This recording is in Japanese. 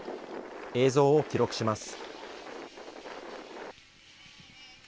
映像を記録します。